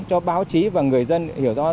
cho báo chí và người dân hiểu rõ